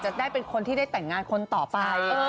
จะได้เป็นคนที่ได้แต่งงานคนต่อไป